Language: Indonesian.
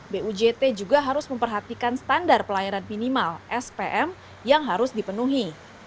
bujt juga harus memperhatikan standar pelayanan minimal spm yang harus dipenuhi